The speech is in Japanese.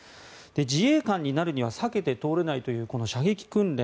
自衛官になるには避けて通れないというこの射撃訓練。